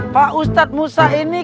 pak ustadz musa ini